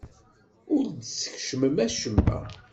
Ur d-teskecmem acemma.